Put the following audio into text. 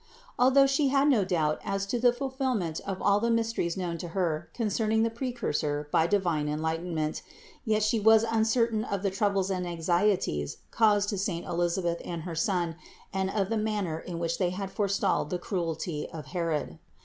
Although She had no doubt as to the fulfillment of all the mysteries known to Her concerning the Precursor by divine en lightenment, yet She was uncertain of the troubles and anxieties caused to saint Elisabeth and her son, and of the manner in which they had forestalled the cruelty of Herod.